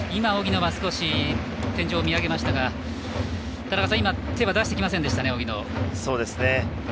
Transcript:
荻野は少し天井を見上げましたが田中さん、手は出してきませんでしたね。